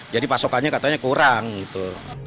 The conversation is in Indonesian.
jadi pasokannya katanya kurang gitu